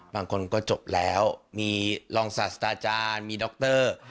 บางคนก็จบแล้วมีรองศาสตราจารย์มีดร